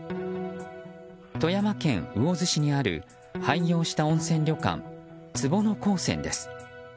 富山県魚津市にある廃業した温泉旅館坪野鉱泉です。